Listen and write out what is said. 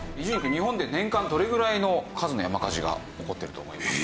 日本で年間どれぐらいの数の山火事が起こってると思いますか？